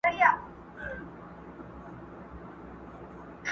چي یې قبر د بابا ورته پېغور سو٫